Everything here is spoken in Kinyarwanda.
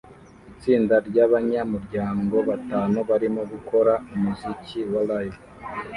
Itsinda ryabanyamuryango batanu barimo gukora umuziki wa Live